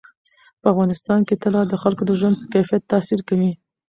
په افغانستان کې طلا د خلکو د ژوند په کیفیت تاثیر کوي.